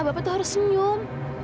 bapak tuh harus senyum